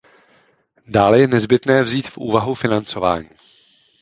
Dále je nezbytné vzít v úvahu financování.